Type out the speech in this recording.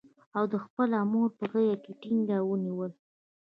او ده خپله مور په غېږ کې ټینګه ونیوله.